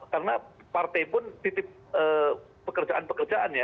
karena partai pun titip pekerjaan pekerjaan ya